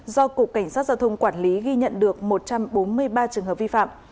do cục cảnh sát giao thông quản lý ghi nhận được một trăm bốn mươi ba trường hợp vi phạm